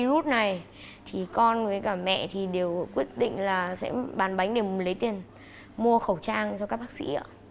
virus này thì con với cả mẹ thì đều quyết định là sẽ bán bánh để lấy tiền mua khẩu trang cho các bác sĩ ạ